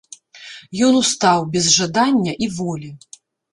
Ён устаў без жадання і волі.